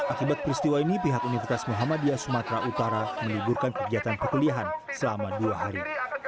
akibat peristiwa ini pihak universitas muhammadiyah sumatera utara meliburkan kegiatan kekuliahan selama dua hari